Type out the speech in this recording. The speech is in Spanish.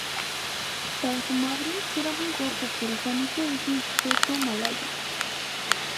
Para su madre será muy guapo pero Juanito es un feto malayo